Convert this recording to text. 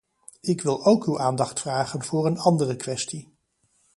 Ik wil ook uw aandacht vragen voor een andere kwestie.